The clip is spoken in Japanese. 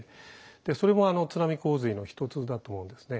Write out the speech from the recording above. それも津波洪水の一つだと思うんですね。